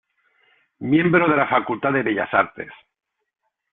Miembro de la Facultad de Bellas Artes.